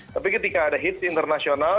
tapi ketika ada hits internasional